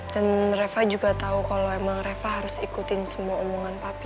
dan reva juga tahu kalau reva harus ikutin semua omongan papi